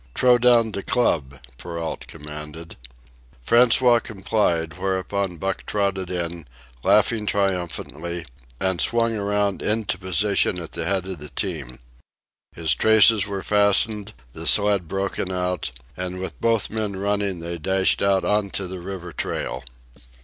"T'row down de club," Perrault commanded. François complied, whereupon Buck trotted in, laughing triumphantly, and swung around into position at the head of the team. His traces were fastened, the sled broken out, and with both men running they dashed out on to the river trail.